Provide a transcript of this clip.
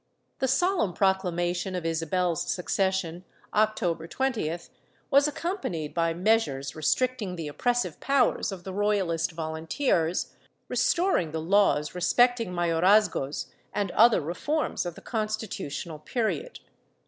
The solemn proclamation of Isabel's succession, October 20th, was accompanied by measures restrictmg the oppressive powers of the Royalist Volunteers, restoring the laws respecting mayorazgos and other reforms of the Constitutional period.